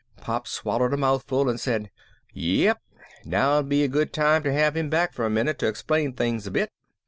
Pop swallowed a mouthful and said, "Yep, now'd be a good time to have him back for a minute, to explain things a bit.